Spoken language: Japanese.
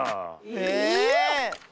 え？